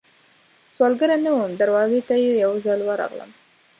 سوالګره نه وم، دروازې ته یې یوځل ورغلم